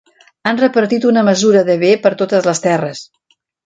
Han repartit una mesura de bé per totes les terres.